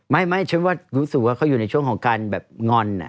ไม่ฉันว่ารู้สึกว่าเขาอยู่ในช่วงของการแบบงอน